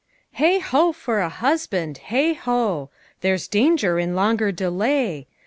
Heigh ho! for a husband! Heigh ho! There's danger in longer delay!